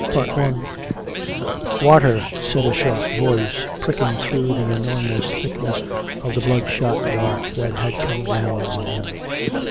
CHAPTER VIII "Water," said a sharp voice, pricking through the enor mous thickness of the bloodshot dark that had come down on him.